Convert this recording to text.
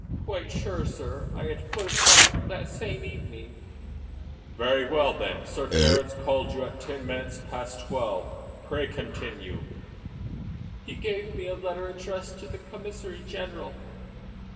"Quite sure, sir; I had put it right that same evening." "Very well, then. Sir Terence called you at ten minutes past twelve. Pray continue." "He gave me a letter addressed to the Commissary general.